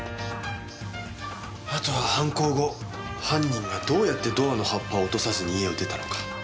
あとは犯行後犯人がどうやってドアの葉っぱを落とさずに家を出たのか。